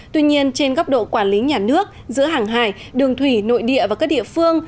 tuy nhiên trên góc độ quản lý nhà nước giữa hàng hải đường thủy nội địa và các địa phương